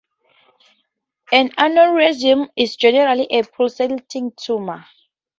An aneurysm is generally a pulsating tumor.